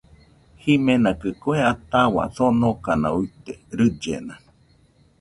Jimenakɨ kue atahua sonokana uite, rillena